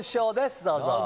どうぞ。